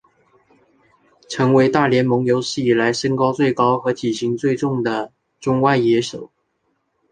成为大联盟有史以来身高最高和体重最重的中外野手。